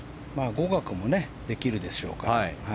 語学もできるでしょうから。